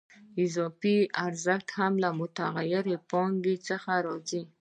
اضافي ارزښت هم له متغیرې پانګې څخه راځي